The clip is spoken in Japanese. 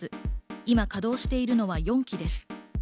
今稼動しているのは４基です。